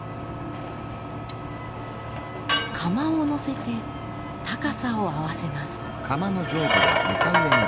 釜を載せて高さを合わせます。